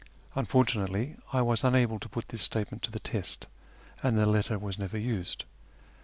Unfor tunately, I was unable to put tliis statement to the test, and the letter was never used.